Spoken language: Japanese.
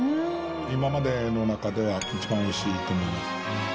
今までの中では一番おいしいと思います。